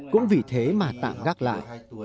cũng vì thế mà tạm gác lại